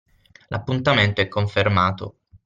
L'appuntamento è confermato.